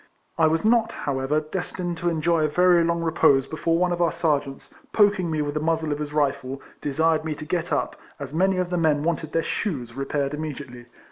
I was not, however, destined to enjoy a very long re pose before one of our Serjeants, poking me with the muzzle of his rifle, desired me to get up, as many of the men wanted their shoes repaired immediately.